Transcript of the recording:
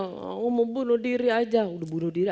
lo mau bunuh diri aja udah bunuh diri